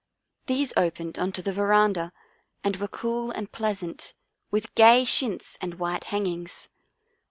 These opened on to the veranda and were cool and pleasant, with gay chintz and white hangings.